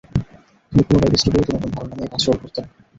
তিনি পুনরায় স্টুডিওতে নতুন ধারণা নিয়ে কাজ শুরু করতেন।